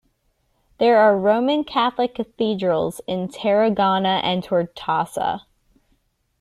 There are Roman Catholic cathedrals in Tarragona and Tortosa.